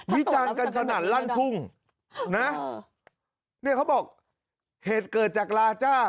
วิจารณ์กันสนั่นลั่นทุ่งนะเนี่ยเขาบอกเหตุเกิดจากลาจ้า